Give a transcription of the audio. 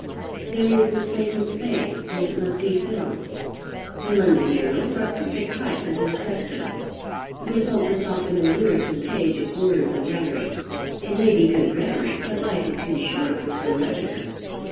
There is the sacred space, and it must be filled. The London journals are perfect types of this custom. The result is often a wearisome page of words and rhetoric. It may be good rhetoric; but life is too short for so much of it.